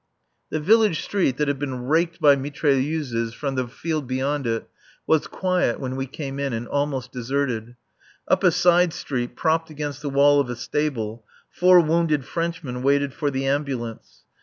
The village street, that had been raked by mitrailleuses from the field beyond it, was quiet when we came in, and almost deserted. Up a side street, propped against the wall of a stable, four wounded Frenchmen waited for the ambulance.